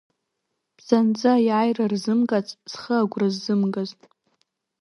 Бзанҵы Аиааира рзымгац, зхы агәра ззымгаз…